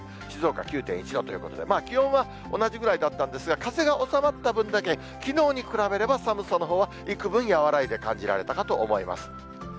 静岡９．１度ということで、気温は同じぐらいだったんですが、風が収まった分だけ、きのうに比べれば寒さのほうはいくぶん和らいで感じられたかと思います。